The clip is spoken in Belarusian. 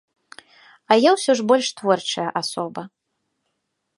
А я, усё ж, больш творчая асоба.